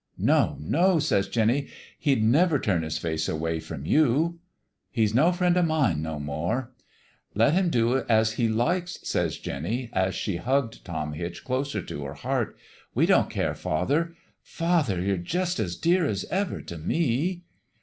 "' No, no !' says Jinny. ' He'd never turn His face away from you.' "' He's no friend o' mine no more.' "' Let Him do what He likes,' says Jinny, as she hugged Tom Hitch close to her heart. ' We won't care. Father father you're just as dear as ever t' me